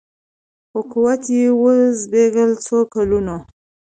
خو قوت یې وو زبېښلی څو کلونو